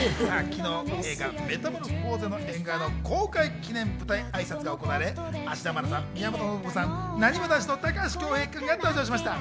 昨日映画『メタモルフォーゼの縁側』の公開記念舞台挨拶が行われ、芦田愛菜さん、宮本信子さん、なにわ男子の高橋恭平くんが登場しました。